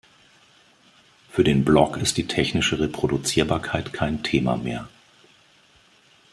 Für den Blog ist die technische Reproduzierbarkeit kein Thema mehr.